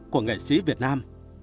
của nghệ sĩ việt nam